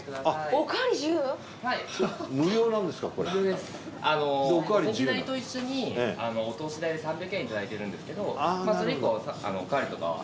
お席代と一緒にお通し代で３００円いただいてるんですけどそれ以降おかわりとかは。